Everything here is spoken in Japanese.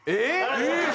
えっ！？